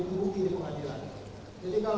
kalian kan tahu bagaimana pilihan ini